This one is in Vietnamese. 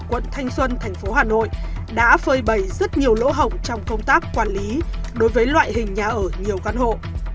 quận thanh xuân thành phố hà nội đã phơi bầy rất nhiều lỗ hổng trong công tác quản lý đối với loại hình nhà ở nhiều căn hộ